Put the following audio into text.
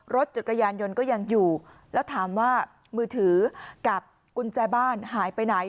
รถจักรยานยนต์ก็ยังอยู่แล้วถามว่ามือถือกับกุญแจบ้านหายไปไหน